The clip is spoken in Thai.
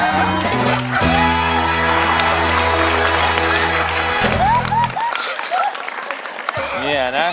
เนี่ยนะ